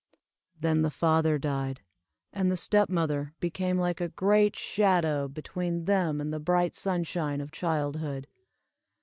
Then the father died, and the step mother became like a great shadow between them and the bright sunshine of childhood.